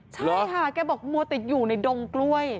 ใช่ค่ะสาวัดติดอยู่ในดนตรกล้วย